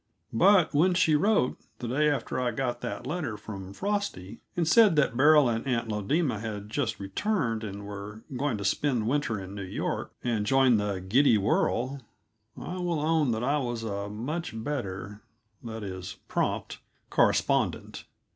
But when she wrote, the day after I got that letter from Frosty, and said that Beryl and Aunt Lodema had just returned and were going to spend the winter in New York and join the Giddy Whirl, I will own that I was a much better that is, prompt correspondent.